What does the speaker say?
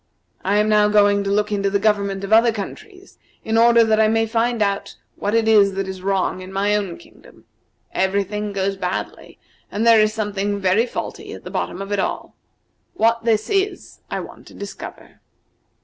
I am now going to look into the government of other countries in order that I may find out what it is that is wrong in my own kingdom. Every thing goes badly, and there is something very faulty at the bottom of it all. What this is I want to discover."